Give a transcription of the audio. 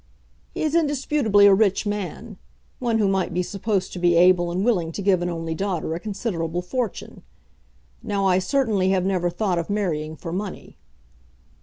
"He is indisputably a rich man, one who might be supposed to be able and willing to give an only daughter a considerable fortune. Now I certainly had never thought of marrying for money."